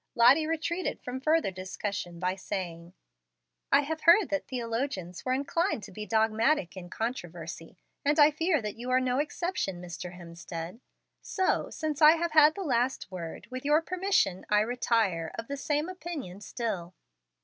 Lottie retreated from further discussion by saying: "I have heard that theologians were inclined to be dogmatic in controversy, and I fear that you are no exception, Mr. Hemstead. So, since I have had the last word, with your permission, I retire 'of the same opinion still.'"